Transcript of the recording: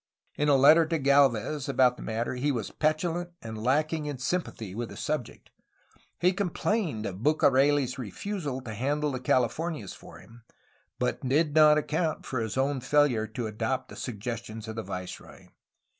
In a letter to Gdlvez about the matter he was petulant and lacking in sympathy with the subject. He complained of BucareU's refusal to handle the Cahfornias for him, but did not account for his own failure to adopt the suggestions of the viceroy.